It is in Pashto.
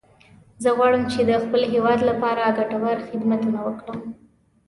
زه غواړم چې د خپل هیواد لپاره ګټور خدمتونه وکړم